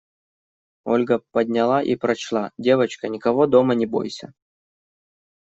Ольга подняла и прочла: «Девочка, никого дома не бойся.